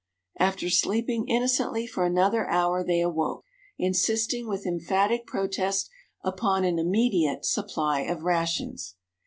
After sleeping innocently for another hour they awoke, insisting with emphatic protest upon an immediate supply of rations.